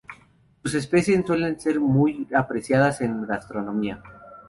Sus especies suelen ser muy apreciadas en gastronomía.